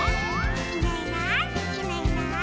「いないいないいないいない」